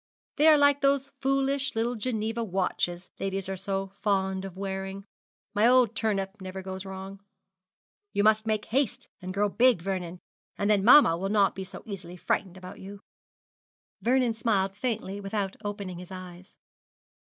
'They are like those foolish little Geneva watches ladies are so fond of wearing. My old turnip never goes wrong. You must make haste and grow big, Vernon, and then mamma will not be so easily frightened about you.' Vernon smiled faintly, without opening his eyes.